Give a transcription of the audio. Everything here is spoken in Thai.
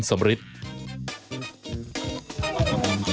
สวัสดีครับ